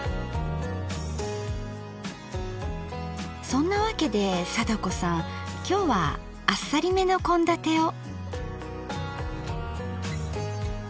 そんなわけで貞子さんきょうはあっさりめの献立を。